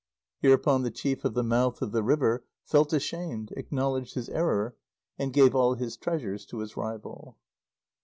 Hereupon the Chief of the Mouth of the River felt ashamed, acknowledged his error, and gave all his treasures to his rival.